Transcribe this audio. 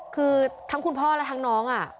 คือทั้งคุณพ่อและทั้งน้อง